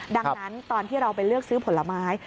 ดังนั้นตอนที่เราไปเลือกซื้อผลไม้